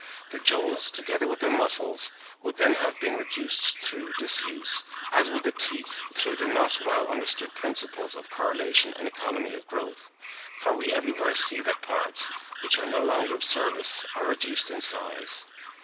The jaws, together with their muscles, would then have been reduced through disuse, as would the teeth through the not well understood principles of correlation and economy of growth; for we everywhere see that parts, which are no longer of service, are reduced in size.